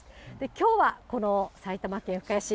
きょうはこの埼玉県深谷市。